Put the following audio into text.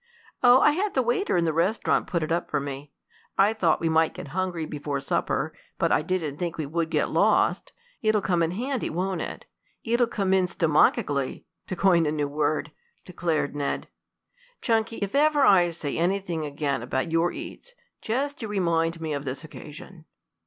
"Oh, I had the waiter in the restaurant put it up for me. I thought we might get hungry before supper, but I didn't think we would get lost. It'll come in handy, won't it?" "It'll come in stomachicly, to coin a new word," declared Ned. "Chunky, if ever I say anything again about your eats, just you remind me of this occasion."